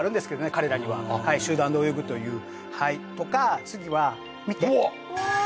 彼らには集団で泳ぐというはいとか次は見てわあ